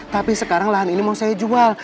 tapi sekarang lahan ini mau saya jual